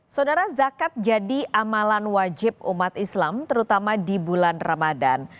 saudara zakat jadi amalan wajib umat islam terutama di bulan ramadan